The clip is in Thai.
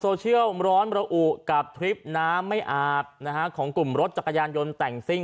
ร้อนระอุกับทริปน้ำไม่อาบนะฮะของกลุ่มรถจักรยานยนต์แต่งซิ่ง